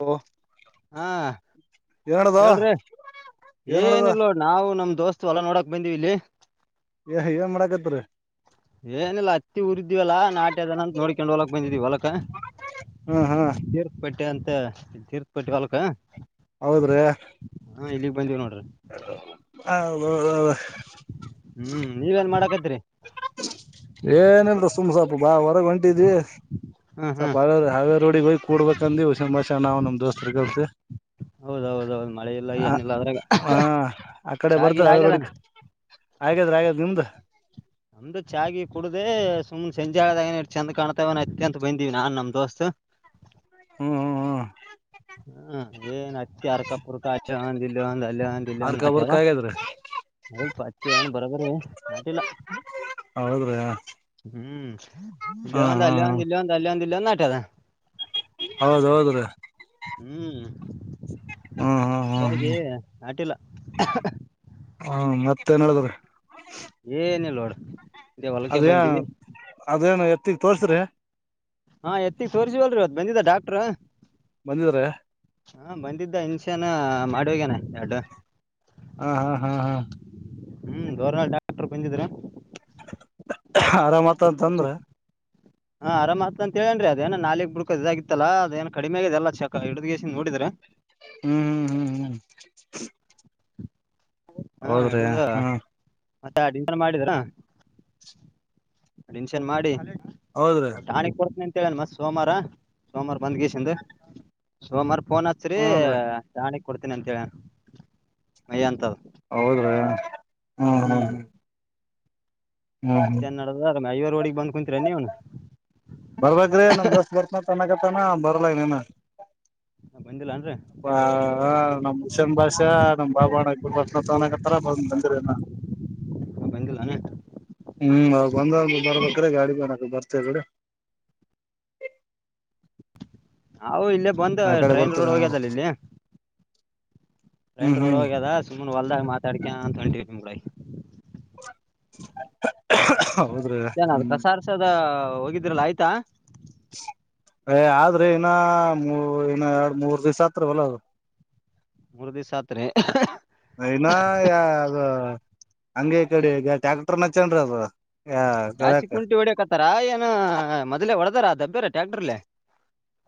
ಹೋ ಹಾ ಹೇಳ್ರಿ ಏನಡದ ಏನಲ್ ನಾವು ನಮ್ದ ದೋಸ್ತ್ ಎಲ್ಲ ನೋಡಕ್ ಬಂದೀವ ಇಲ್ಲಿ ಏ ಏನ್ ಮಾಡಾಕತ್ ರಿ ಏನಿಲ್ಲ ಉರಿದ್ವಲ್ಲಾ ನಾಟ್ಯ ಅದನಂತ ನೋಡ್ಕೊಂಡು ಹೊಲಕ್ ಬಂದಿದ್ವಿ ಹೊಲಕರ್ ಹ್ಮ್ ಹ್ಮ್ ಟ್ಟೆ ಅಂತ ತೀರ್ಥಪಟ್ಟಿ ಬಾಾಲಕ ಹಾ ಹೌದ್ರಿ ಇಲ್ಲಿಗೆ ಬಂದೀವಿ ನೋಡ್ರಿ ಹ ಹ್ಮ್ ನೀವೇನ್ ಮಾಡಾಕತ್್ರರಿ ಏನಲ್ರ ಸುಮ್ ಸೊಪ ಬಾ ಹೊಂಟಿದ್ವಿ ಹ್ಮ್ ಸ್ವಪ ಹ್ಮ್ ಹಾವ ಹಾವೇ ರೋಡಿಗೆ ಹೋಗಿ ಕೂಡ್ಬೇಕಂದ ಹುಷಿನ ಭಾಷೆ ನಾವು ನಮ್ ದೋಸ್ತರ್ತಿವಿ ಹೌದೌದೌದು ಮಳೆ ಇಲ್ಲ ಏನಿಲ್ಲ ಅದ್ರಾಗ ಚಾಗಿೆ ಹಾಗೆ ಅದಾನ ಹಾಗಾದ್ರ ಆಾದ್ ನಿಮ್ದ ನಮ್ದು ಚಾಗಿ ಕುಡುದ ಸುಮ್ನೆ ಸಂಜೆ ಆದಾಗ ಚೆಂದ ಕಾಣ್ತವನ ಅತ್ಯ ಅಂತ ಬಂದಿವವಿ ನಾನ್ ನಮ್ ದೋಸ್ತ್ ಹ್ಮ್ ಹ್ಮ್ ಹ್ಮ್ ಹ್ಮ ಏನ್ ಅತ್ತ ಅರ್ಕಪುರ್ಕ ಆಟ ಒಂದ್ ಇಲ್ಲಿ ಒಂದ್ ಅಲ್ಲಿ ಒಂದ ಇಲ್ಲಿ ಒಂದ್ ಅರ್ಕ ಬರ್ಕ ಹಾಗಾದ್ರೆ ಆಟ್ಯವಾತ್ತ ಏನು ಬರಬರಿ ನಟಿಲ್ಲ ಹೌದ್ರಿ ಹ್ಮ್ ಹ್ಮ ಇಲ್ಲಾಂತ ಅಲ್ಲ ಇಲ್ಲಂತ ಅಲ್ಲಾ ಇಲ್ಲ ನಟದ ಹೌದ ಹೌದ್ರೀ ಹ್ಮ್ ಹ್ಮ್ ಹ್ಮ್ ಹ್ಮ್ ಸಾಗಿ ಆಟಿಲ್ಲ ಹ ಹಾ ಮತ್ತೇನ್ ಹೇಳಿದ್ರಿ ಏನ ಲೋಡ್ ಅದೇ ಅದೇನು ಮತ್ತಗ್ ತೋರ್ಸ್ರಿ ಹಾ ಎತ್ತಿ ತೋರ್ರಿಸವಲ್ರಿ ಅದ್ ಬಂದಿದ್ದ ಡಾಕ್ಟ್ರ ಬಂದಿದ್ರೆ ಹಾ ಬಂದಿದ್ದ ಹನ್ಸಾನ ಮಾಡುವಗನ ಎಡು ಹ್ಮ್ ಹ್ಮ್ ಹ್ಮ್ ಹ್ಮ್ ಹ್ಮ್ ಗೌರ್ನಾ ಡಾಕ್ಟರ್ ಬಂದಿದ್ರ ಆರಾಮತ ಅಂತಂದ್ರ ತೋರ್ಸಿ- ಹಾ ಆರಾಮ ಆತ್ತತ ಅಂತ ಹೇಳೇನ್ರಿ ಅದೇಏನ ನಾಲಿಕ್ ಬಿುಡ್ಕು ಇದಾಗಿತ್ತಲ್ಲ ಅದೇಏ ಕಡಿಮೆ ಆಿದೆ ಅಲ್ಲ ಚಕ ಹಡಿದಗೆಸ ನೋಡ್ರೆ ಹ್ಮ್ ಹ್ಮ್ ಹ್ಮ್ ಹ್ಮ್ ಹ್ಮ ಹೌದ್ರಿ ಹ್ಮ ಮತ್ತೆ ಅನ್ ಮಾಡರಾ ಅನ್ ಮಾಡಿ ಹೌದ್ರಿ ಹೌ ಾಣ ಕೊಡ ಮತ್ ಸೋಮವಾರ ಸೋಮವಾರ ಬಂದ್ ಗೀಸಿಂದ ಸೋಮವಾರ ೋನ್ ಅಚ್ರಿ ಹೂನ್ ರೀ ಜಾಣ ಕೊಡ್ತೀನ ಅಂತ ಹೇಳ ಮಯ ಅಂತ ಹೌದ್ರಾ ಹ್ಮ್ ಹ್ಮ್ ಹ್ಮ್ ಮತ್ತೆ ನಡದ ಮ್ವ್ರ ಹೋಡಗ್ ಬ್ ಕುಂತತ್ರ ನೀವ್ನು ಬರ್ಬ್ರೆ ನಮ ದೋಸ್ ಬರ್ತ ನ ಬರಲನನ ಬಂದಿಲ್ಲನ್ರಿ ನಮ ಹಷನ್ ಭಾಷೆ ನಮ್ ಬಾಬಾಣ್ಣಬರ್ ಬರ್ತನತಕತ್ತಾರ ಬ ಬಂದಿರನ ಬಂದಿಲ್ಲಾನ ಎಡೆ ಗಾಡಿ ಬಣಕ ಬರ್ತೇ ಬಿಡ ಅ ಇಲ್ಲೇ ಬಂದು ಕಡೆ ಟ್ರೈನ್ ಬರ್ತಾರ ರೋಡ್ ಹೋಗ್ಯದಲ್ಲ ಇಲ್ಲಿ ಹ್ಮ್ ಟ್ರೈನ್ ರೋಡ್ ಹ್ಮ್ ಹೋಗ್ಯದ ಸುಮ್ಮ್ನೆ ಹೊಲ್ದಾಗ ಮಾತಾಡ್ಕ ಅಂತ ಹೊಂಟಿವವಿ ತಿಗಳ [inaudible] ಹ್ಮ್ ಕಸ ಆರ್ಸೋದು ಹೋಗಿದ್ರಲ್ಲ ಆಯ್ತಾ ಏ ಆದ್ರೆ ಇನ್ನ ಮೂ ಇನ್ನ ಎರಡು ಮೂರ್ ದಿವಸ ಹತ್ರವಲ್ಲ ಅದು ಮೂರು ದಿವಸತ್ರಿ ಇನ ಯ ಅದು ಹಂಗಗೆ ಈ ಕಡೆ ಈಗ ಟ್ಯಾಕ್ಟರ್ ನಚ ರಿ ಅದ್ರ ಜಾಚಿ ಕುಂಟಿ ಹೊಡಕತ್ತಾರ ಏನ್ ಹ ಮೊದ್ಲೇ ಒಡದಾರ ದಬ್ಬರ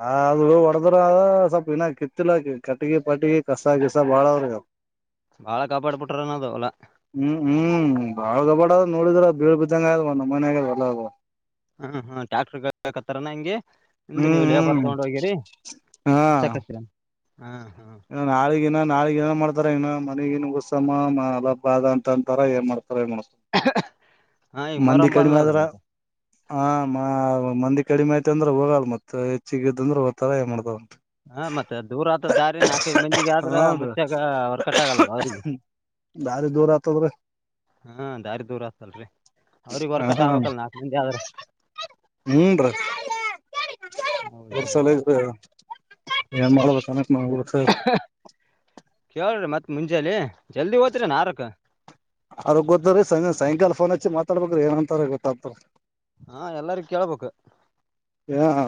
ಹಾ ಅದು ಉಡದುರ ಸಪಿನ ಕಿತ್ತಲ ಕಟಗಿ ಪಟಗಿ ಕಸ ಕಿಸ ಬಾಳ ಅವ್ರ ಬಹಳ ಕಾಪಾಡ ಪಟರಾನ ಅದ ಅವಲಾ ಹ್ಮ್ ಹ್ಮ್ ಬಾಳ್ ಗಬಡ್ ನೋಡಿದ್ರ ಬೀಳ್ ಬಿದ್ದಂಗ ಆ ಒಂದಮ್ಮ ಮನೆ ಆಗ ಎಲ್ಲ ಹ್ಮ್ ಹ್ಮ ಟ್ಯಾಕ್ಟರ್ ಕತ್ತಾರನಾ ಹಂಗೆ ನಿಮ್ದ ಹ್ಮ್ ನೀವ ಇಲ್ಲಿ ಬರ್ ಹ್ಮ್ ತಗೊಂಡ್ ಹೋಗಿರಿ ಹಚ್ಚಾಕತೀರಿ ಇ ನಾಲಗ ನಾಳಗ್ ಏನ ಮಾಡ್ತಾರ ನ ಮನೆಗಗತ್ಸ ಅಲ ಬಾದ ಅಂತ ಅಂತಾರ ಏನ್ ಮಾಡ್ತ ಹಾ ಈಗ ಮಂದಿ ಮೊರಂ ಕಡಿಮೆ ಬಂದದಲ್ರಿ ಆದ್ರ ಮತ್ತೆ ಹಾ ಮಂದಿ ಕಡಿಮೆ ಆಐತೆ ಅಂದ್ರೆ ಹೋಗಲ್ ಮತ್ತೆ ಹೆಚ್ಚಿಗೆ ಇದದ ಅಂದ್ರೆ ಹೋಗತಾರ ಏನ್ ಮಾಡ್ತಾವಂ ಹಾ ಮತ್ತೆ ದೂರ ಮ ದಾರಿ ನಾಲ್ಕೈದು ಮಂದಿಗೆ ಆದ್ರ ಹಾನ್ರಿ ಮುಚ್ಚ್ಯಾಗ ಹೊರ್ಕಟ್ ಆಗಲ್ಲಲ್ಲ ಅವ್ರಿಗೆ ದಾರಿ ದೂರ ಆತದ್ರಿ ಹಾ ದಾರಿ ದೂರ ಆಗ್ತಲ್ರಿ ಅವ್ರಗ್ ಹೊರ್ಕಟ ಹ ಆಗ್ಲ್ ನಾಕ ಮಂದಿ ಆದ್ರ ಹೌದೌದ್ ಹೊರ್ಸಲ ಇದ ಒತ ಕ್ರಿ ಮತ್ ಮುಂಜಾಲ ಜಲ್ದಿ ಓತ್ರಿ ನಾರಕ ಅವ್ರ ಗೊತ್ತ್ರೀ ಸಾಯಂಕಾಲ ಫೋನ್ ಹಚ್ಚಿ ಮಾತಾಡ್ಬೇಕ್ರಿ ಏನ್ಂತಾರ ಗೊತ್ತಾಗ್ತ ಹಾ ಎಲ್ಲಾರ ಕೇಳಬೇಕ್ ಹ ಹ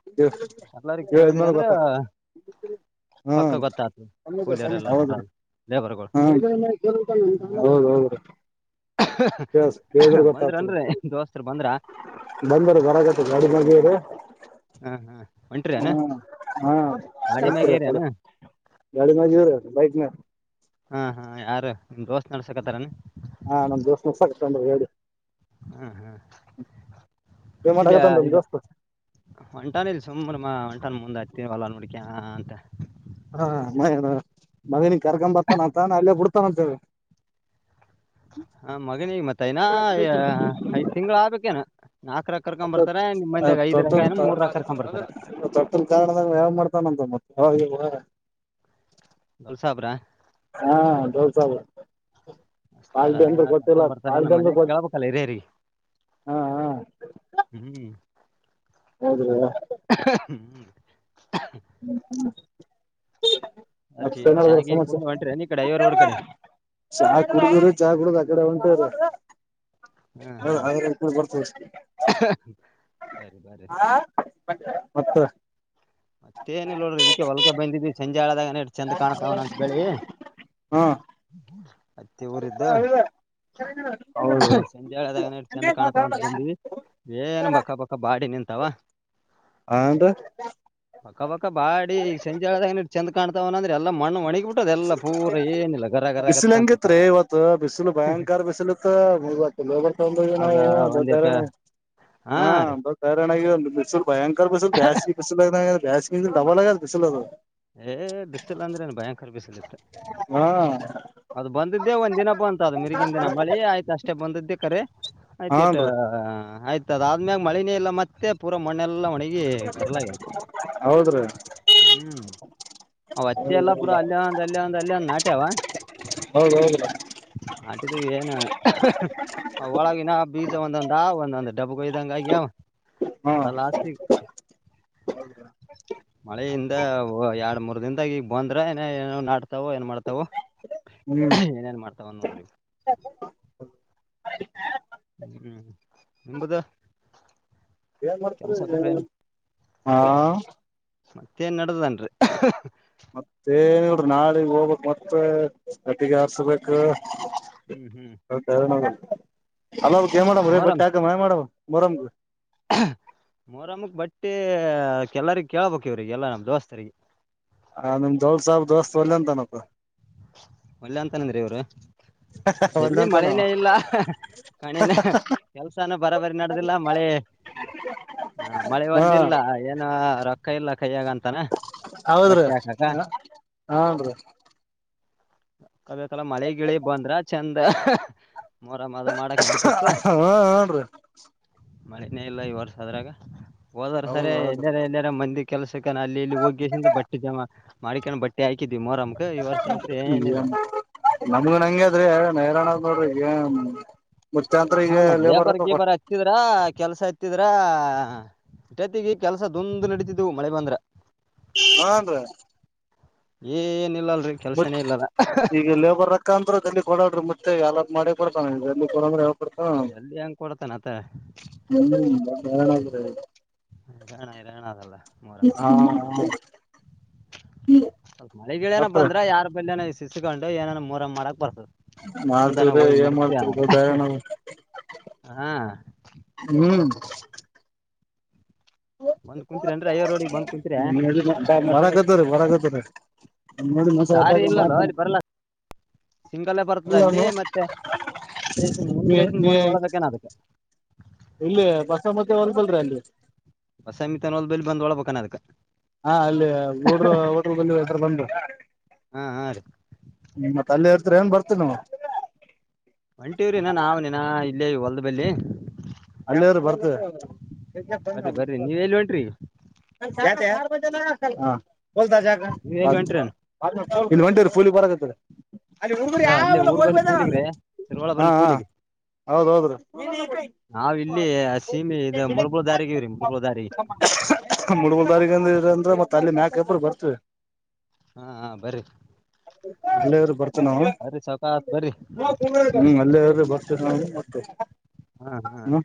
[unintelligible] ಎಲ್ಲಾರಿಗೂ ಹೇಳಿದ ಕೇಳಿದ್ರಿ ಮೇಲೆ ಅಂದ್ರ ಗೊತ್ತ ಪಕ್ಕ ಆಗುತ್ತ ಗೊತ್ತಾಗ್ತದ ಕೂಲಿಯರ್ ಹ್ಮ ಎಲ್ಲಾರು ಹೌದ ಬರಾದು ಗಳು ಹ ಹೌದ ಹೌದ್ರಿ ಹೇಳಿದ್ರ ಗೊತ್ತಾಗ್ತ ಬಂದ್ರನ್ರಿ ದೋಸ್ತರು ಬಂದ್ರ ಬಂದರ ಬರಕ ದೆ [unintelligible] ಹ್ಮ್ ಹ್ಮ್ ಹ್ಮ್ ಹಾ ಗಾಡಿ ಮ್ಯಾಗ ಬರ್ತೀರಾ ಕೊ ಏರ್ಯಾನ ಗಾಡಿ ಮೇಲೆ ಇವಿ ಬೈಕ್ ಮೇಲ್ ಹಾ ಹಾ ಯಾರು ನಿಮ್ಮ ದೋಸ್ತ ನಡಸಕತ್ತಾರನ ಹಾ ನಮ್ಮ ದೋಸ್ತ್ ನಡಸಕ್ ಅತ್ತಾನ್ ಹೇಳ ಹ್ಮ್ ಹ್ಮ್ ಏನ್ ಇಲ್ಲಿ ಮಾಡಕತ್ತಾನ್ ನಮ್ ಇದು ದೋಸ್ತ್ ಒಂಟಾನ ಇಲ್ಲಿ ಸುಮ್ಮನ ಮಾ ಒಂಟನ್ ಮುಂದೆ ಹತೀವಲ್ಲ ನೋಡಕಂತ ಹಾ ಅಂತ ಹಾ ಮ ಮಗನ ಕರಕೊಂಡು ಬರ್ತಾನ ಅಂತಾನ ಅಲ್ಲೇ ಬಿಡ್ತಾನಂತೇವೆ ಹ ಮಗನಿಗೆ ಮತ್ತ ನಾ ಐದ ತಿಂಗಳು ಆಗಬೇಕನ ನಾಕರಕ್ಕ ಮತ್ತ ತೊಟ ಕರ್ಕೊಂಡ್ ಬರ್ತಾರ ತೊಟ್ಟಲ್ ಕಾರಣದ ಮಾಡ್ತಾನಂತ ಮತ್ತೆ ದೌಲ್ ಸಾಬ್ರ ಹಾ ದೌಲ ಸಾಬ್ರ ಹಷ್ಟತಾರ ಕರಕೊಂಡ್ ಬರ್ತಾರ ಪಾಲ್ಟಿ ನಮ್ಮ ಅಂದ್ರ ಮನ್ಯಾಗ ಗೊತ್ತ ಕೇಳಬೇಕ್ ಹಿರಿಯರಗೆ ಹಾ ಹಾ ಹ್ಮ್ ಹೌದ ಹ್ಮ ಹ್ಮ್ ಹ್ಮ್ ಒಟ್ಟ ಚಾ ಅಷ್ಟ್ರ ಗಿ ಸಮಸ್ಯೆ ಕುಡ್ದ್ ಹೊಂಟ್ರೇನ್ ಈ ಕಡೆ ಕಡೆ ಚಾ ಕುಡರು ಚಾ ಕುಡುದ ಹೊಂಟಿವಿ ರಿ ಹಾ ಆ ಬರ್ತಷ್ಟ ಬರ್ರಿ ಬರ್ರಿ ಹಾ ಮತ್ತ ಮತ್ತೆ ಏನಿಲ್ಲಾ ನೋಡ್ರಿ ಇದಕ್ಕೆ ಹೊಲಕ ಬಂದಿದ್ವಿ ಸಂಜೆ ಆದಾಗ ಚಂದ ಕಾಣತಾವನ ಅಂತ ಬೆಳಿ ಹಾ ಹತ್ತಿ ಊರಿದ್ದು ಹೌದ್ರಿ ಸಂಜೆದಾಗ ಚೆಂದ ಕಾಣ್ತಾವಂತ ಬಂದಿವವಿ ಏನು ಬಕ್ಕ ಬಕ್ಕ ಬಾಡಿ ನಿಂತಾವ ಹಾನ್ರಿ ಬಕ್ಕ ಬಕ್ಕ ಬಾಡಿ ಸಂಜಿ ಹೇಳೆದಗನು ಚೆಂದ ಕಾಣತವ್ ಅಂದ್ರೆ ಎಲ್ಲ ಮಣ್ಣ ಒಣಿಗೀ ಬಿಸಿಲು ಅನ್ಸುತ್ತ ಹೆಂಗಿತ್ರಿ ಇವತ್ತು ಬಿಸಿಲು ಭಯಂಕರ ಬಿಸಿಲು ಇತ್ ಇವತ್ತು ಲೇರ್ ತ ಅದ ನಾವು ದೊಡ್ದ ಒಂದಿಟ ಹಾ ರೀ ಹರಯಣ ಆಗಿವಿ ಬಿಸಿಲ ಭಯಂಕರ ಬಿಸಲ್ ಬ್ಯಾಸಗಿ ಬಿಸಲ್ಲ ಆದಂಗ ಆಗೇದ ಬ್ಯಾಸಗಿ ಡಬ್ಬಲ್ ಆಗೇದ ಬೀಸಲ ಅದು ಏ ಬಿಸಲ್ಲ ಅಂದ್ರೇ ಏನ್ ಭಯಂಕರ ಬಿಸಿಲ ಇದೆ ಹಾ ಅದು ಬಂದದ್ದೇ ಒಂದ್ಿನ ಬಂತ ಅದು ಮಿರಿಗಿನ ದಿನ ಮಳೆ ಆಯ್ತು ಅಷ್ಟೇ ಬಂದದ್ದೇ ಕ ಆಯ್ತು ಇಟ್ಟ ಹಾನ್ರಿ ಆಯ್ತ ಇದ ಆದ್ಮ್ಯಾಗ ಮಳೇ ಇಲ್ಲ ಮತ್ತೆ ಪೂರ ಮ್ಣೆಲ್ಲ ಒಣಗಿ ಕರಲಗಲ್ಲ ಹೌದ್ರಿ ಹ್ಮ್ ಅತ್ತಿ ಎಲ್ಲ ಬುಡ್ದು ಅಲ್ಲಿೇ ಒಂದ ಅಲ್ಲಿ ಒಂದ ಅಲ್ಲಿ ಒಂದು ನಾಟ್ಯವ ಹೌದೌದ್ರಿ ಆಟಿದ್ದು ಏನು ಒಳಾಗಿನ ಬೀಜ ಒಂದೊಂದ ಆ ಒಂದಂದು ಡಬ್ಬು ಇದ್ದಂಗ ಆಗ್ಯ ಹಾ ಎಲ್ಲ ಲಾಸ್ತಿ ಮಳೆಯಿಂದ ಎರಡ್ ಮೂರ್ ದನ್ದಾಗಿ ಈಗ ಬಂದ್ರ ಏನ್ ಏನ್ ನಡ್ತಾವ ಏನ್ ಮಾಡ್ತಾವ ಹ್ಮ್ ಏನನು ಮಾಡರ್ತ ಬಂದುಡರರು ಹ್ಮ್ ಹ್ಮ್ ನಿಂಬದ ಏನ್ ಮಾಡ್ತಿದಿ ಹಾ ಮತ್ತೇನ್ ನಡದನ್ರಿ ಮತ್ತೇ ಏನಿಲ್ರಿ ನಾಳಿಗ್ ಹೋಗ್ಬಕ್ ಮತ್ತೆ ಗಟ್ಟಿಗೆ ಆರ್ಸ್ಬೇಕ ಹ್ಮ್ ಹ್ಮ್ ಹೌದರ ನ ಅಲ ಅವ್ರ ಏ ಮಾಡವ ರೇ ಬಟ್ಟ ಆಕ ಮಾಡ್ ಮೊರಾಮ್ ಮೊರಮ್ಮಕ್ ಬಟ್ಟೆ ಕೆಲ್ಲರಿಗೆ ಕೇೇಳಬೇಕ ಇವ್ರರಿಗೆ ಎಲ್ಲ ನಮ್ಮ ದೋಸ್ತರಿಗೆ ಆ ನಿಮ್ ದೋಳಸ ದೋಸ್ತ್ ಒಲ್ಲ ಅಂತನಪ್ಪ ವಲ್ಯ ಅಂತನಂದ್ರಿ ಇವರು ಒಲ್ಲೆ ಎಲ್ಲಿ ಅಂತಾನ ಮಳೆನೇ ಇಲ್ಲ ಕಣಿನ ಕೆಲ್ಸಾನ ಬರಬರಿ ನಡೆದಿಲ್ಲ ಮಳೆ ಆ ಮಳೆ ಹಾ ಒಂದಿಲ್ಲ ಏನ ರೊಕ್ಕ ಇಲ್ಲ ಕಯ್ಯಾಗ ಅಂತಾನ ಹೌದ್ರಿ ಬಟ್ಟೆ ಹಾಕಾಗ ಹಾನ್ರಿ ಕದಕಲ ಮಳೆಗಿಳಿ ಬಂದ್ರ ಚಂದ ಮೊಹರಂ ಅದು ಮಾಡಕ್ ನಡಿತಿತ್ತು ಹಾ ಹನ್ರಿೀ ಮಳೆನೇ ಇಲ್ಲ ಈ ವರ್ಷ ಅದ್ರಾಗ ಹೋದಾರ ಹೌದ ಸರಿ ಹೌದು ಎಲ್ಲ ಎಲ್ಲಾರ ಮಂದಿ ಕೆಲಸಕನ ಅಲ್ಲಿ ಇಲ್ಲಿ ಹೋಗಿಸಿಂದ ಬಟ್ಟೆ ಜಮಾ ಮಾಡ್ಿಕೊಂಡ್ ಬಟ್ಟೆ ಹಾಕಿದ್ವಿ ಮೋರಮ್ ಕ್ ನ್ ನಮಗ ನಂಗಗೆ ಅದ್ರಿ ನೈರಾಣ ನೋಡ್ರಿ ಏನ್ ಮುತ್ಯಂತ್ರ ಹಾ ಈಗ ಮೊದ್ಲೇ ಲೇಬರ್ ರೊಕ್ಕ ಹೊರ್ಗಿ ಕೊಟ್ ಬರ ಹತ್ತಿದ್ರ ಕೆಲ್ಸ ಹತ್ತಿದ್ರ ಜತಿಗೆ ಕೆಲಸ ೊಂದು್ ನಡೀತಿದ್ದವು ಮಳೆ ಬಂದ್ರ ಹಾನ್ೀ ಏಏ ನಿಲ್ಲಲ್ಲ ಮ ಈಗ ಲೇಬರ್ ರೊಕ್ಕ ಅಂದ್ರೆ ಅಲ್ಲಿ ಕೊಡ್ರಿ ಮತ್ತೆ ಯಲ್ಲ ಮಾಡಿ ಕೊಡ್ತಾನ ಎಲ್ಲಿ ಕೊ್ರ ಜಲ್ದಿ ಹೆಂಗ್ ಕೊಡ್ತಾನ ಆತ [unintelligible] ಹ್ಮ ಣ ರಣ ಅಲ್ಲ ಹಾ ಸ್ಲ್ಪ ಮಳೆಗಿಳೇನ ಮತ್ರಿ ಬಂದ್ರ ಯಾರ ಬಲ್ನ ಸಿಸ್ಕು ಏನ ಮೂರ ಮಾಡಕಕ್ ಬರ ಮಾಡ್ತವ್ರ ಏನ್ ಮಾಡ್ತರ ದೊಡ್ಡಣ ಹಾ ಹ್ಮ್ ಬಂದ್ ಕುತ್ರಿ ಅನ್್ರೀ ಐವರ್ ರಡಗ್ ಬಂದ್ ಕುಂತರ ರ ಬರಾಗತ ರ ದಾರಿ ಇಲ್ಲಲ್ಲೋ ಅಲ್ಲಿ ಬರಲ್ಲ ಸಿಂಗಲ್ಲೇ ಬರ್ತದೆ ಅಲ್ಲಿ ಮತ್ತೆ ದೇಶ ಮುಂದ ದೇಶನ್ ಬಂದು ಹೊಳದೇನ ಅದಕ್ಕೆ ಇಲ್ಲ ಬಸ ಮತ್ತೆ ಹೊರ್ಗಲ್ರೀ ಅಲ್ಲಿ ಬಸಮಿತನ್ನೋಲ್ ಬೆ ಬಂದ ಹೊಳಳ್ಬೇಕಾನ ಅದಕ್ ಹಾ ಅಲ್ಲಿ ಡ್ ಬಂದರು ಹಾ ಹಾ ರೀ ಮತ್ತ ಅಲ್ಲಿ ನ್ ಬರ್ತೇ ನ ಒಂಟಿಯ್ರನ ನಾವನನಾ ಇಲ್ಲೇ ಹೊಲ್ದಬಲ್ಲಿಿ ಹಳ್ಳಿಯ್ರ ಬರ್ತ ಬರ್ರಿ ಬರ್ರಿ ನೀವ್ ಎಲ್ಲಿ ಹೊಂಟ್ರಿ? ಹಾ ನೀವ್ ಎಲ್ಲಿ ಬಲ್ತಕ ಹೊಂಟ್ರೇನ್ ಇ ಒಂಟ ಫಲ್ ಬರ [inaudible] [inaudible] ಅಲ್ಲಿ ಹಡುರು ಸ ಅಲ್ಲಿ ಯಾವೆಲ್ಲ ಊರ್ ಹದ ಬಲ್ಲಿ ಪೂಲಿಗ್ರಿ ತಿರುವಳ ಬ ಹಾ ಬಲ್ಲಿ ಪೂಲಿಗೆ ಹೌದ್ೌದ್ರೀ ನಾವ್ ಇಲ್ಲಿ ಸೀಮಿ ಇದ ಮುಳಬುಳ ದಾರಿಗಿವ್ರಿ ಮುಳಬುಳ ದಾರಿ ಮುಡ್ಗಲ್ ತಾರೀಕಂದ ಅಂದ್ರೆ ಮತ್ತ ಅಲ್ಲಿ ಮ್ಯಾ ಗಬ್ಬರು ಬರ್ತವಿ ಹಾ ಹಾ ಬರ್ರಿ ಅಲ್ಲೇವ್ರ ಬರ್ತೇ ನಾವ ಬರ್ರಿ ಸಾವಕಾಸ್ ಬರ್ರಿ ಹ್ಮ ಅಲ್ಲಿೇವ್ರ ಬರ್ತೇನೆ ನ [inaudible] [inaudible] ಹಾ ಹಾ ಹ್ಮ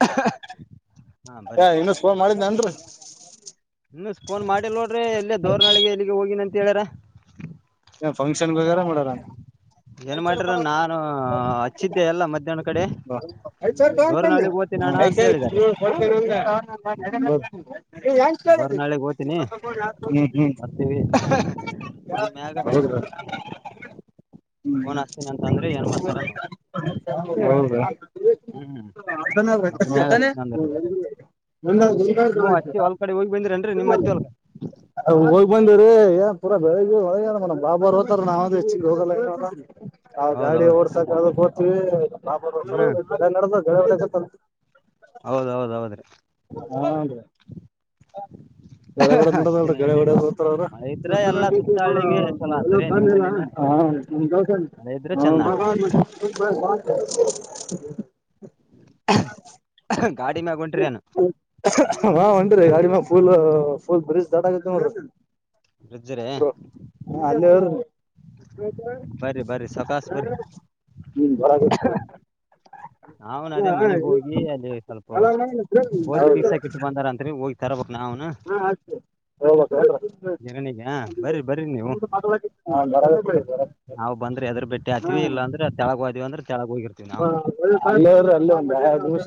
ಹಾ ಬರ್ರಿ ಇನ್ನ ಸ್ೋಲ್ ಮಾಡಿದ್ದನ ಅನ್ರಿ ಇನ್ನು ಫೋನ್ ಮಾಡಿಿಲ್ಲ ನೋಡ್ರಿ ಎಲ್ಲ ದೋರ್ನಾಳಗೆ ಎಲ್ಲಿಗೆ ಹೋಗಿ ನ ೇಳರ ಫಂಕ್ಷನ್ ಬರ ಮಾಡ ಏನ್ ಮಾಡ್ಯಾರ ನಾನು ಹಚ್ಚಿದ್ದೆ ಎಲ್ಲ ಮಧ್ಯಾಹ್ನ ಕಡೆ ಹ ಹೆಂಗ ದೋರ್ನಾಳಿಗ್ ಹೋತಿನಿ ಅಣ್ಣ ಅಂತ ಹೇಳಿದಾರೆ ಕೇಳಿದ್ದ ದೋರ್ನಾಳಿಗ್ ಹೋತಿನಿ ಹ್ಮ್ ಹ್ಮ್ ಬರ್ತೀವಿ ಬಂದ್ ಮ್ಯಾಗ ಹೌದ್ರ ಹ್ಮ ಫೋನ್ ಹಚ್ತೀನಿ ಅಂತ ಅಂದ್ರಿ ಏನ್ ಮಾಡ್ತಾರ ನೋಡ್ ಹೌದಾ ಹ್ಮ್ ಬಂದ್ ಮ್ಯಾಗ ಹಚ್ತೀನಿ ಅಂದ್ರಿ ನೀವು ಹತ್ತಿ ಹೊಲ್ ಕಡೆ ಹೋಗಿ ಬಂದ್ರೇನ್ರಿ ನಿಮ್ ಹತ್ತಿ ಹೊಲ್ಕ ಹೋಗಿ ಬಂದವ್ರೀ ಪರ ಬೆಳಗ್ಗೆ ಒಳಗ ಬಾಬರು ನಾವ ಹೆಚ್ಚಿಗೆ ಹೋಗಲ್ಲ್ ಗಾಡಿ ಹೌದೌದು ಓಡ್ಸಕ್ [inaudible] [unintelligible] [unintelligible] ಹೌದೌದ್ದ್ರಿ ಎಲ್ಲಿ ಮಳೆ ಇದ್ರ ಎಲ್ಲಾ ಸುತ್ತ ಹಳ್ಳಿಗೆ ಚಲೋ ಆತದ್ರಿ ನಿಮ್ಮಲ್ಲಿನ ಮಳೆ ಇದ್ರ ಚಂದ ಆತದ [unintelligible] [inaudible] ಗಾಡಿ ಮ್ಯಾಗ ಹೊಂಟ್ರಿ ನಾನು ಹಾ್ ಹೊನ್ರಿ ಗಾಡಿ ಮ ಫುಲ್ ಫುಲ್ ಬ್ರಿಜ್ ದಾಟ ಆಗತ್ತ ನ ಬ್ರಿಡ್ಜ್ ರೀ ಹ ಅ ಬರಿ ಬರಿ ಸಾಕಾಶ ಬರಿ ಅವ್ನ್ ಅದೇ ಮನೆಗ್ ಹೋಗಿ ಅಲ್ಲಿ ಸ್ವಲ್ಪ ಗೋಧಿ ಬೀಸಾಕ್ ಇಟ್ಟು ಬಂದಾರಂತ್ರಿ ಹೋಗಿ ಹ ತರಬೇಕ್ ನಾವುನು ಹೌದು ಗಿರಣಿಗೆ ಬರ್ರಿ ಹ ಬರ್ರಿ ನೀವು ಹ ನಾವು ಬಂದ್ರೆ ಎದ್ರ ಬೆಟ್ಟೆ ಹಾತತಿವಿ ಇಲ್ಲಾ ಅಂದ್ರೆ ತೆಳಗ ಹೋದೀವಿ ಅಂದ್ರೆ ತೆಳಗ ಹೋಗಿರ್ತಿವಿ ನಾವವು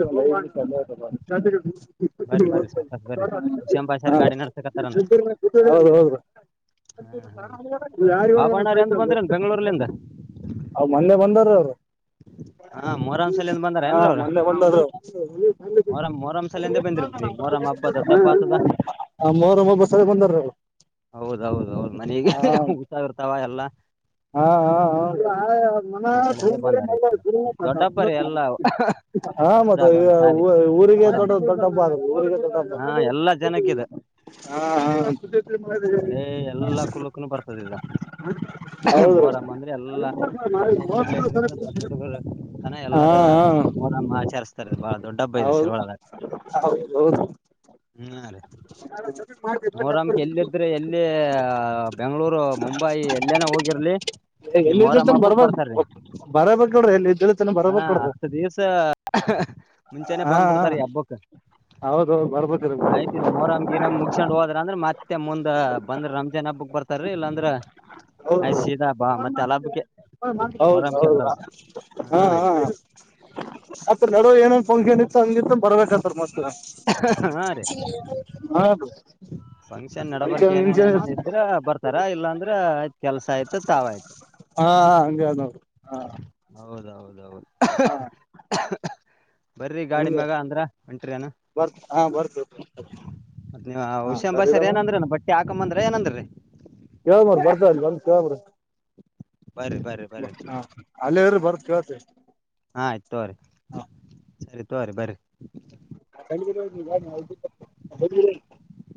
ಸಮಯ ಸಮ [unintelligible] ಬರ ಬರರಿ ಸಕಾಶ ಬರರಿ ವಿಷಂಬಷರ್ ಗಾಡಿ ನಡೆಸಕತ್ತಾರಾನ ಹೌದ್ ಹೌದ್ರಿ ಹಾ ಹಾ ಆಾ ಬ್ಣಾರಿ ಅಂತ ಬಂದಿರನ್ ಬೆಂಗಳೂರ್ಲಿಂದ ಅವ್ ಮೊನ್ನೆ ಬಂದಾರ ಹಾ ಮೊಹರಂ ಸಲಿಂದ ಬಂದಾರ ಏನ್ರಿ ಅವ್ರ [unintelligible] ಮೋರಂಲಿಂದೆ ಬಂದಿರ ಬಿವಿರಿ ಮೋರಂ ಹಬ್ಬ ದೊಡ್ಡ ಹಬ್ಬಾತದ ಮೂರಮ್ ಹಬ್ಬ ಸರಿ ಬಂದಾರ ಅವ್ರು ಹೌದ್ದ ಹೌದು್ ಮನಗೆ ಹುಸಾಗಿ ಇರ್ತಾವ ಎಲ್ಲ [unintelligible] ಹಾ ಹಾ ಹಾ ಆಫ್ ಇದ್ರ ಸಲಿಂದೆ ಬಂದಾರ ಈಗ ದೊಡ್ಡಪ್ಪ ರೀ ಎಲ್ಲ ಹ ಮಗ ವರ್ಷದಾಗ ಒಂದ್ ಸಾರಿ ಊರಿಗೆ ಮೊಹರಂ ದೊಡ್ಡ ದೊಡ್ಡಬ ಹಾ ಎಲ್ಲಾ ಜನಕ್ಕಿದ ಎಡೇ ಎಲ್ಲಾ [unintelligible] ಮೋರಮ್ಮ ಅಂದ್ರೆ ಎಲ್ಲಾ ನಾನು ಹುಡುಗರ್ಲೇಬೇಕ ದೊಡ್ಡ ಹುಡುಗರು ತಾನ ಹಾ ಎಲ್ಲಾರ ಹಾ ಮೋಲಮ್ಮ ಆಚರಿಸ್ತ ಇ ಬಹಳ ದೊಡ್ಡ ಹಬ್ಬ ಇದೆ ಹೌದು ಸರ್ ಒಳದಾಗ ಹೌದೌದು [unintelligible] ಮೋರಮ್ಮಗೆ ಎಲ್ಲಿದ್ರಿ ಎಲ್ಲಿ ಬೆಂಗಗಳೂರು ಮುಂಬೈಿ ಎಲ್ಲೇನೆ ಹೋಗಿರ್ಲಿ ಈ ಮೋರಮ್ಮ ಎಲ್ಲಿದ್ದಿರ್ತಾನ ಹಬ್ಬಕ್ ಬರ್ತಾರೀ ಳಿತನ ಬರ್ಬ ಕೊಡುದ ಮುಂಚೆನೆ ಹಾ ಬಂದ್ಬಿಡ್ತಾರ ಈ ಹಬ್ಬಕ್ ಹೌದುದು ಬರ್ಬಿರಬೇಕ ಮೋರಾಮ್ ಗಿ ರಾಮ್ ಮುಗಸೊಂಡ್ ಹೋದ್ರ ಅಂದ್ರ ಮತ್ತೆ ಮುಂದ ಬಂದ್ರ ರಂಜಾನ್ ಹಬ್ಬಕ್ ಬರ್ತಾರೀ ಇಲ್ಲಾಂದ್ರ ಹೌದು ಆಯ್ ಸೀದಾ ಹಬ್ಬಾ ಮತ್ತೆ ಅಲಬ್ಕ ಹೌದ್ ಮೋರಂಬಕ ಹೌದು ಬರದು ಹಾ ಹಾ ಅ ಏನೊನ್ ಫಂಕ್ಷನ್ ಇತ್ತು ಹಂಗಿ ಬರ್ಬೇಕು ರ್ಮಸ್ತ ಹಾ ರೀ ಹೌದು. ಫಂಕ್ಷನ್ ನಡಬರ್ಕ್ ಏನನ್ ಏನನ್ ಇದ್ರ ಬರ್ತಾರ ಇಲ್ಲಾಂದ್ರ ಆಯ್ತ್ ಕೆಲ್ಸ ಆಯ್ತ ತಾವ ಆಯ್ತ. ಹಾ ಹಂಗೆ ಅದ ನೋಡ್ರಿ ಹಾ ಹೌದ ಹೌದೌದು ಹಾ ಬರಿ ಗಾಡಿ ಹಂಗೆ ಮ್ಯಾಗ ಅಂದ್ರ ಹೊಂಟ್ರಿ ಏನು ಬರ್ತ್ ಹಾ ಬರ್ತೇವ್ರಿ ಮ ನೀ ಹಾ ಸರಿ ಹುಷಿಂಬಾಷರ್ ಇಡಮ್ಮ ಏನಂದ್ರ ಬಟ್ಟಿ ಹಾಕಂಬಂದ್ರ ಏನಂದ್ರಿ. ಅ. ಕಾಮ್ರ ಬರ್ ಬಂದು ಕಾಮ್ರ ಬರ್ರಿ ಬರ್ರಿ ಬರ್ರಿ ಹ ಅಲ್ಲಿ ಫರ್ ಕತ ಹಾ ಆಯ್ತು ತೋರಿ ಸರಿ ತೋರಿ ಬನ್್ರರಿ